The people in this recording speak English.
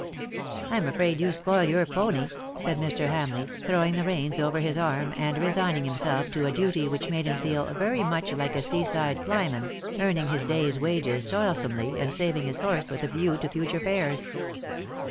'■'■ Vvn afraid you spoil your pony/^ said Mr. Hamleigh, throwing the reins over his arm, and resigning himself to a duty which made him feel very much like a sea side flyman, earning his day's wages toilsomely, and saving his horse with a view to future fares.